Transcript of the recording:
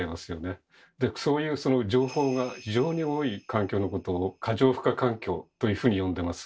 そういう情報が非常に多い環境のことを「過剰負荷環境」というふうに呼んでます。